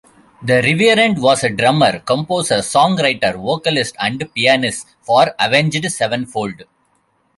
The Reverend was a drummer, composer, songwriter, vocalist and pianist for Avenged Sevenfold.